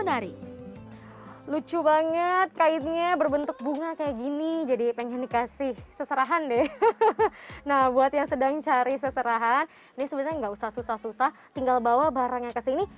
nah buat yang sedang cari seserahan ini sebenarnya nggak usah susah susah tinggal bawa barangnya ke sini